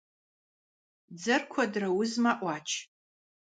Дзэр куэдрэ узмэ — Ӏуач.